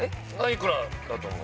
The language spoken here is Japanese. いくらだと思う？